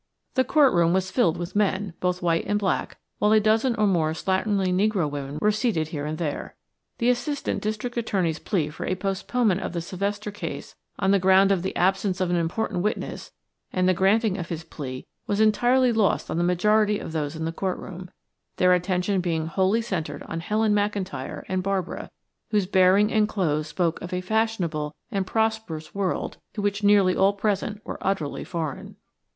The court room was filled with men, both white and black, while a dozen or more slatternly negro women were seated here and there. The Assistant District Attorney's plea for a postponement of the Sylvester case on the ground of the absence of an important witness and the granting of his plea was entirely lost on the majority of those in the court room, their attention being wholly centered on Helen McIntyre and Barbara, whose bearing and clothes spoke of a fashionable and prosperous world to which nearly all present were utterly foreign.